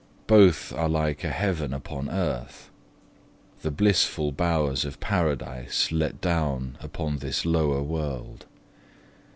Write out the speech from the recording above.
Both are like a heaven upon earth: the blissful bowers of Paradise let down upon this lower world.